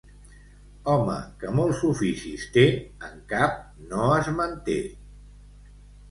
Home que molts oficis té en cap no es manté.